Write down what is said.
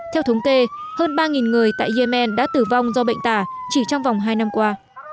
theo thống kê hơn ba người tại yemen đã tử vong do bệnh tả chỉ trong vòng hai năm qua